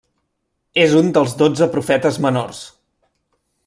És un dels dotze profetes menors.